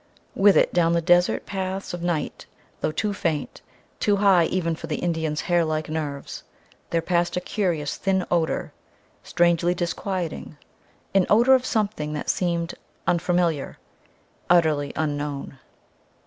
With it, down the desert paths of night, though too faint, too high even for the Indian's hair like nerves, there passed a curious, thin odor, strangely disquieting, an odor of something that seemed unfamiliar utterly unknown.